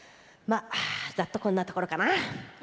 ざっとこんなところかな？